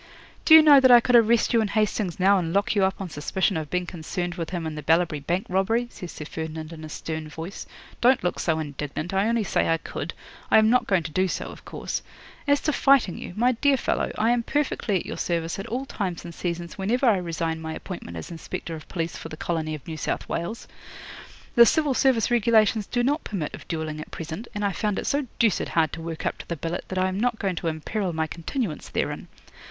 '"Do you know that I could arrest you and Hastings now and lock you up on suspicion of being concerned with him in the Ballabri Bank robbery?" says Sir Ferdinand in a stern voice. "Don't look so indignant. I only say I could. I am not going to do so, of course. As to fighting you, my dear fellow, I am perfectly at your service at all times and seasons whenever I resign my appointment as Inspector of Police for the colony of New South Wales. The Civil Service regulations do not permit of duelling at present, and I found it so deuced hard to work up to the billet that I am not going to imperil my continuance therein.